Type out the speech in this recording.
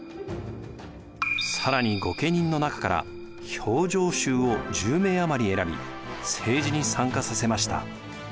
更に御家人の中から評定衆を１０名余り選び政治に参加させました。